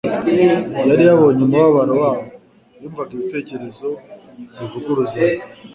Yari yabonye umubabaro wabo; yumvaga ibitekerezo bivuguruzanya